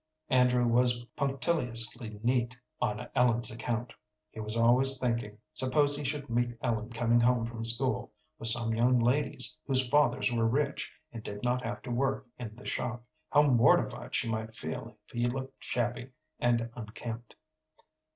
Andrew was punctiliously neat, on Ellen's account. He was always thinking, suppose he should meet Ellen coming home from school, with some young ladies whose fathers were rich and did not have to work in the shop, how mortified she might feel if he looked shabby and unkempt.